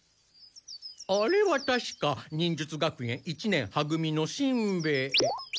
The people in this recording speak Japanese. あれはたしか忍術学園一年は組のしんべヱ。